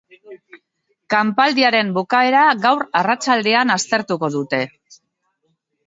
Kanpaldiaren bukaera gaur arratsaldean aztertuko dute.